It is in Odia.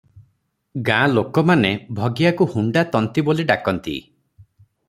ଗାଁ ଲୋକମାନେ ଭଗିଆକୁ ହୁଣ୍ତା ତନ୍ତୀ ବୋଲି ଡାକନ୍ତି ।